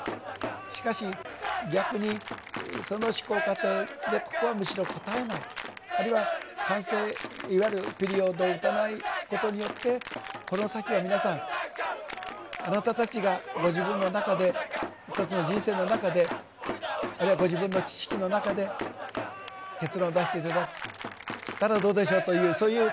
しかし逆にその思考過程でここはむしろ答えないあるいは完成いわゆるピリオドを打たないことによって「この先は皆さんあなたたちがご自分の中で一つの人生の中であるいはご自分の知識の中で結論を出して頂いたらどうでしょう」というそういう。